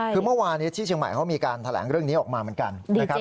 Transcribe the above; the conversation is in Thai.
คือเมื่อวานที่เชียงใหม่เขามีการแถลงเรื่องนี้ออกมาเหมือนกันนะครับ